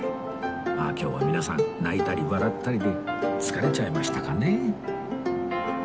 まあ今日は皆さん泣いたり笑ったりで疲れちゃいましたかね？